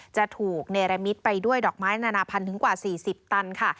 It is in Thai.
จะถูกเนรมิตไปด้วยดอกไม้นานาพันถึงกว่า๔๐ตันค่ะ